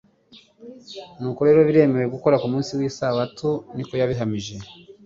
«Nuko rero biremewe gukora neza ku munsi w'Isabato » niko yabihamije.